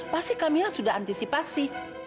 pasti kamila sudah antisipasi